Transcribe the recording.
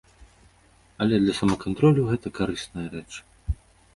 Але для самакантролю гэта карысная рэч.